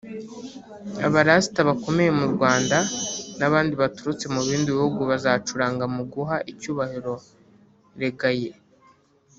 Abarasita bakomeye mu Rwanda n’abandi baturutse mu bindi bihugu bazacuranga mu guha icyubahiro Reggae